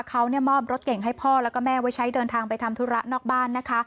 เขามอบรถเก่งให้พ่อแล้วก็แม่ไว้ใช้เดินทางไปทำธุระนอกบ้านนะคะ